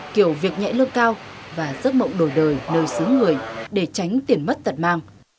kiểu việc nhảy lớp cao và giấc mộng đổi đời nơi xứ người để tránh tiền mất thật mang